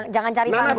jangan cari panggung